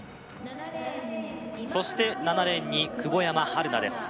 そして７レーンに久保山晴菜です